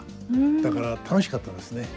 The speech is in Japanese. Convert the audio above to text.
だから楽しかったですね。